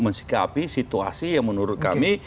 mensikapi situasi yang menurut kami